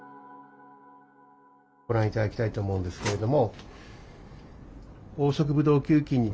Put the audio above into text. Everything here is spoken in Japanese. ご覧頂きたいと思うんですけれども。